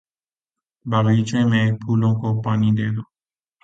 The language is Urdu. باغیچے میں پھولوں کو پانی دے دو